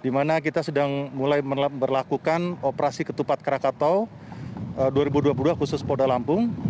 di mana kita sedang mulai memperlakukan operasi ketupat krakatau dua ribu dua puluh dua khusus polda lampung